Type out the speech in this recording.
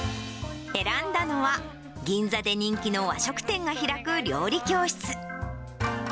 選んだのは、銀座で人気の和食店が開く料理教室。